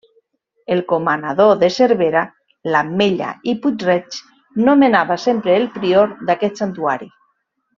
El comanador de Cervera, l'Ametlla i Puig-reig nomenava sempre el prior d'aquest santuari.